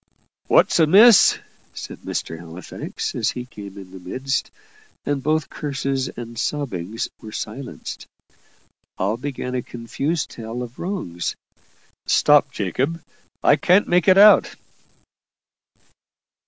"What's amiss?" said Mr. Halifax, as he came in the midst and both curses and sobbings were silenced. All began a confused tale of wrongs. "Stop, Jacob I can't make it out."